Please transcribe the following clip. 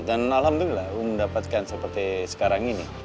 dan alhamdulillah um mendapatkan seperti sekarang ini